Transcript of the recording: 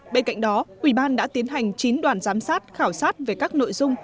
bên cạnh đó ủy ban đã tiến hành chín đoàn giám sát khảo sát về các nội dung